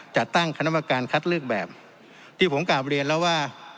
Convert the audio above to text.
จัดตั้งคณะกรรมการคัดเลือกแบบที่ผมกลับเรียนแล้วว่า